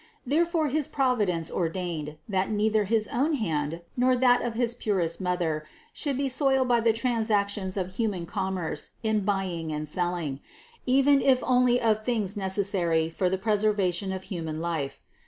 Therefore his Providence ordained, that neither his own hand nor that of his purest Mother should be soiled by the transactions of human commerce in buy ing and selling, even if only of things necessary for the preservation of human life.